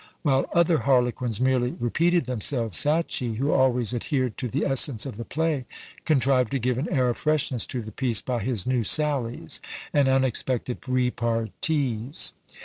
While other Harlequins merely repeated themselves, Sacchi, who always adhered to the essence of the play, contrived to give an air of freshness to the piece by his new sallies and unexpected repartees.